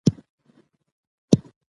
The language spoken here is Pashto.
متل